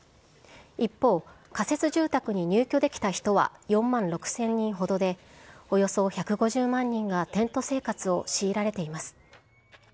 一方、仮設住宅に入居できた人は４万６０００人ほどで、およそ１５０万人がテント生活を強いられています。